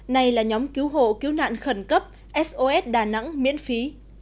này là nhóm cứu hộ cứu nạn khẩn cấp sos đà nẵng miễn phí